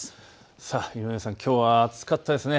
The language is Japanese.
井上さん、きょうは暑かったですね。